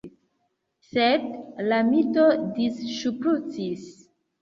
Sed la mito disŝprucis.